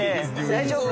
大丈夫？